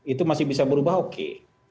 itu masih bisa berubah oke